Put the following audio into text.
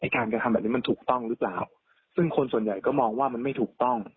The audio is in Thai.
การกระทำแบบนี้มันถูกต้องหรือเปล่าซึ่งคนส่วนใหญ่ก็มองว่ามันไม่ถูกต้อง